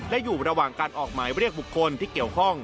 และอยู่ระหว่างการออกหมายเรียกบุคคลที่เกี่ยวข้อง